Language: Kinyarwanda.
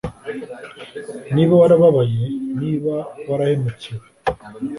niba warababaye, niba warahemukiwe